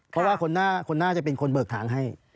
เพราะว่าคนน่าจะเป็นคนเบิกทางให้